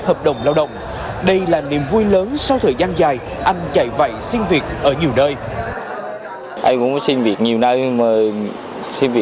hợp đồng lao động đây là niềm vui lớn sau thời gian dài anh chạy vậy xin việc ở nhiều nơi